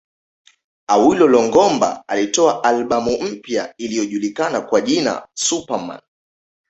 Awilo Longomba alitoa albamu mpya iliyojulikana kwa jina Super Man